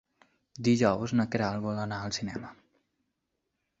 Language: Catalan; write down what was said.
Dijous na Queralt vol anar al cinema.